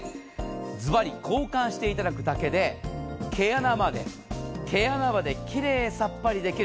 ずばり、交換していただくだけで毛穴まで奇麗さっぱりできる。